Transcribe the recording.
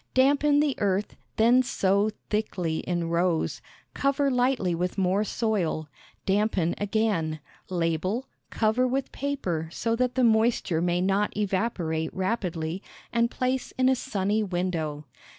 Dampen the earth, then sow thickly in rows, cover lightly with more soil, dampen again, label, cover with paper so that the moisture may not evaporate rapidly, and place in a sunny window.